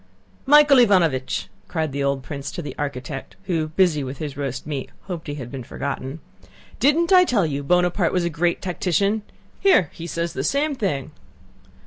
"Michael Ivánovich!" cried the old prince to the architect who, busy with his roast meat, hoped he had been forgotten: "Didn't I tell you Buonaparte was a great tactician? Here, he says the same thing."